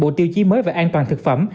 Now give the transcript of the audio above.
bộ tiêu chí mới về an toàn thực phẩm